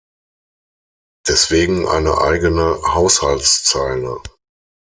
Deswegen eine eigene Haushaltszeile!